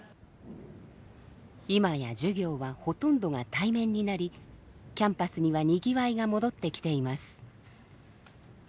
今や授業はほとんどが対面になりキャンパスにはにぎわいが戻ってきています。